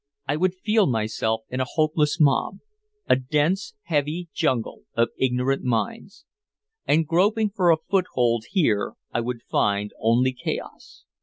I would feel myself in a hopeless mob, a dense, heavy jungle of ignorant minds. And groping for a foothold here I would find only chaos.